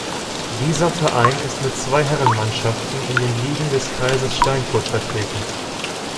Dieser Verein ist mit zwei Herrenmannschaften in den Ligen des Kreises Steinfurt vertreten.